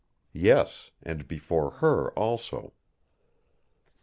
Yes, and before her also.